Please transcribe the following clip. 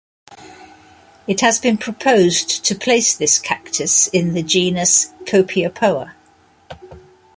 It has been proposed to place this cactus in the genus "Copiapoa".